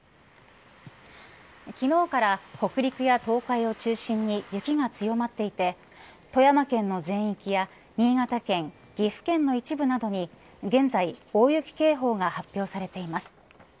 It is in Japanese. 昨日から北陸や東海を中心に雪が強まっていて富山県の全域や新潟県岐阜県の一部などに現在、大雪警報が発表されています。